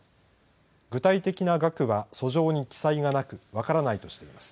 具体的な額は訴状に記載がなく分からないとしています。